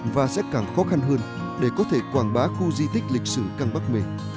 và sẽ càng khó khăn hơn để có thể quảng bá khu di tích lịch sử căng bắc mề